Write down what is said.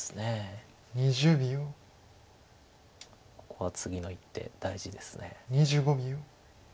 ここは次の一手大事です。